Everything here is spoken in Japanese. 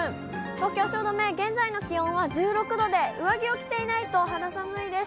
東京・汐留、現在の気温は１６度で上着を着ていないと肌寒いです。